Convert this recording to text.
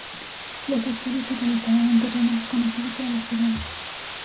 Las acciones se realizaban en terreno desconocido para los peruanos.